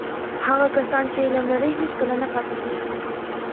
هغه کسان چې علم لري، هیڅکله نه پاتې کېږي.